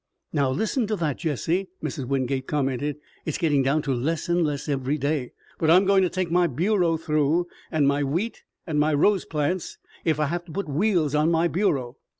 "Now listen to that, Jesse!" Mrs. Wingate commented. "It's getting down to less and less every day. But I'm going to take my bureau through, and my wheat, and my rose plants, if I have to put wheels on my bureau."